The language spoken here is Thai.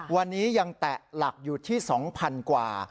วันนี้ยังแตะหลักอยู่ที่๒๐๐๐กว่า